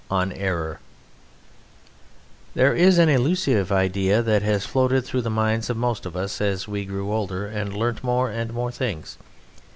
On Error There is an elusive idea that has floated through the minds of most of us as we grew older and learnt more and more things.